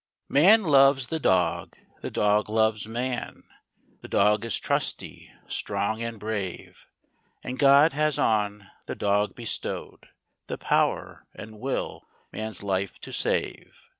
Man loves the dog, the dog loves man : The dog is trusty, strong, and brave, And God has on the dog bestowed The power and will man's life to save.